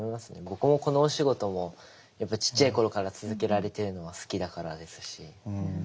僕もこのお仕事もやっぱちっちゃい頃から続けられてるのは好きだからですし。